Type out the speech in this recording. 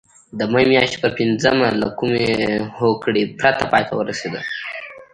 د مې میاشتې پر پینځمه له کومې هوکړې پرته پای ته ورسېده.